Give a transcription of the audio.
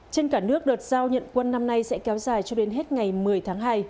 trên cả nước đợt giao nhận quân năm nay sẽ kéo dài cho đến hết ngày một mươi tháng hai